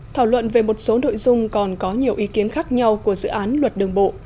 thảo luận về một số nội dung còn có nhiều ý kiến khác nhau của dự án luật đường bộ